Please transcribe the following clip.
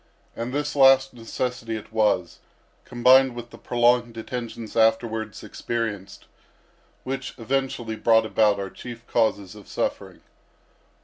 And this last necessity it was, combined with the prolonged detections afterwards experienced, which eventually brought about our chief causes of suffering.